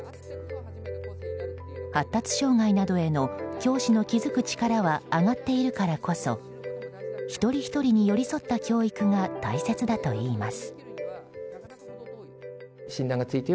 発達障害などへの教師の気づく力は上がっているからこそ一人ひとりに寄り添った教育が大切だといいます。